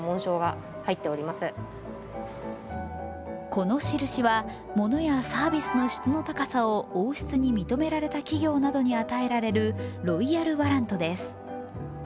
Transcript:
この印は物やサービスの質の高さを王室に認められた企業などに与えられるロイヤルワラントです。